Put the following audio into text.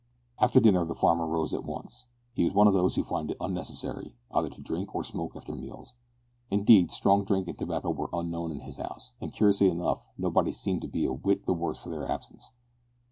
After dinner the farmer rose at once. He was one of those who find it unnecessary either to drink or smoke after meals. Indeed, strong drink and tobacco were unknown in his house, and, curiously enough, nobody seemed to be a whit the worse for their absence.